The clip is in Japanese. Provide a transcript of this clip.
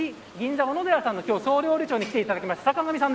鮨銀座のおのでらさんの総料理長に来ていただきました。